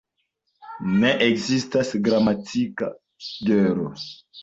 Ne ekzistas gramatika genro.